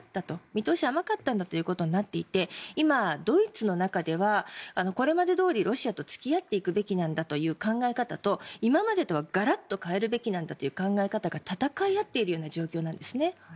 見通しが甘かったんだということになっていて今、ドイツの中ではこれまでどおりロシアと付き合っていくべきなんだという考え方と今までとはガラッと変えるべきなんだという考え方が戦い合っている状況なんですね。